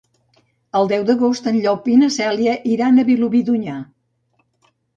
El deu d'agost en Llop i na Cèlia iran a Vilobí d'Onyar.